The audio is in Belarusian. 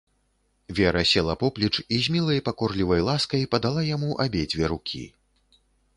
Вера села поплеч і з мілай, пакорлівай ласкай падала яму абедзве рукі.